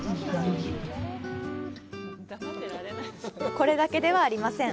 これだけではありません。